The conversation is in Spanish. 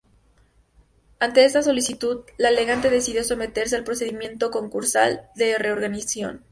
Ante esta solicitud, La Elegante decidió someterse al procedimiento concursal de reorganización.